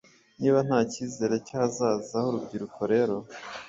Niba nta kizere cy’ahazaza h’urubyiruko rero,